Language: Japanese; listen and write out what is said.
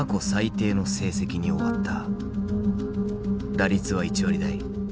打率は１割台。